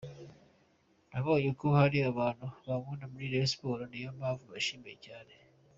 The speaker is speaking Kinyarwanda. Nabonye ko hari abantu bankunda muri Rayon Sports niyo mpamvu mbashimiye cyane.